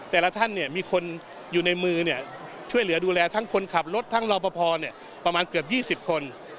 แต่ละท่านมีคนอยู่ในมือช่วยเหลือดูแลทั้งคนขับรถทั้งรอปภประมาณเกือบ๒๐คน